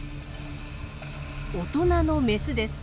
大人のメスです。